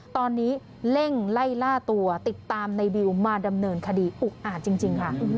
ตอนนี้เร่งไล่ล่าตัวติดตามในบิวมาดำเนินคดีอุกอาจจริงค่ะ